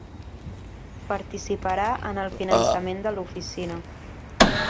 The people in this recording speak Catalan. Participarà en el finançament de l’oficina.